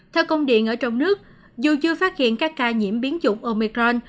theo công điện ở trong nước dù chưa phát hiện các ca nhiễm biến chủng omicron